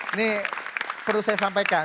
ini perlu saya sampaikan